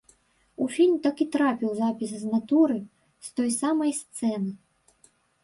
У фільм так і трапіў запіс з натуры, з той самай сцэны.